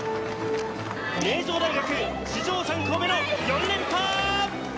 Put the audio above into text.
名城大学史上３校目の４連覇！